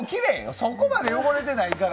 そこまで汚れてないから。